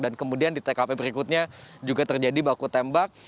dan kemudian di tkp berikutnya juga terjadi baku tembak